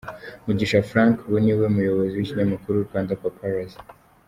Mugisha Frank ubu ni we muyobozi w’ikinyamakuru Rwandapaparazzi.